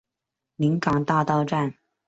临港大道站